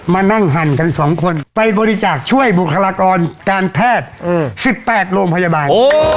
มานั่งหั่นกัน๒คนไปบริจาคช่วยบุคลากรการแพทย์๑๘โรงพยาบาล